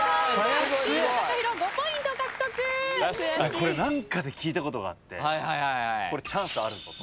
これ何かで聞いたことがあってこれチャンスあるぞと。